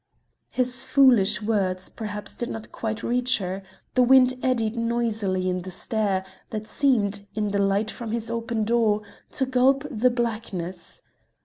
His foolish words perhaps did not quite reach her: the wind eddied noisily in the stair, that seemed, in the light from his open door, to gulp the blackness.